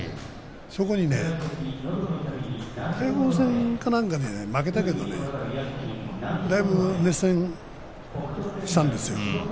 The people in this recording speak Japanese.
そこに大鵬戦かなんかで負けたけれどねだいぶ熱戦したんですよね。